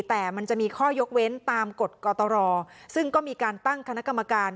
แต่มันจะมีข้อยกเว้นตามกฎกตรซึ่งก็มีการตั้งคณะกรรมการ